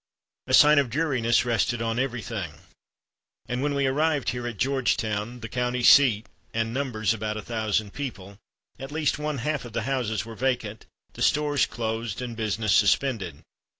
A sign of dreariness rested on everything. And when we arrived here at Georgetown, the county seat and numbers about a thousand people, at least one half of the houses were vacant, the stores closed, and business suspended.